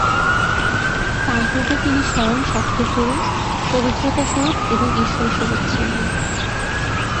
তার পূর্বে তিনি স্বয়ং সত্যস্বরূপ, পবিত্রতা-স্বরূপ, ঈশ্বরস্বরূপ ছিলেন।